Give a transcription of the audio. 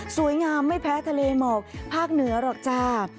สวยงามไม่แพ้ทะเลหมอกภาคเหนือหรอกจ้า